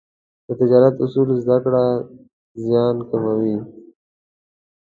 د تجارت اصول زده کړه، زیان کموي.